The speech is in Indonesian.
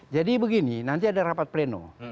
jadi begini nanti ada rapat pleno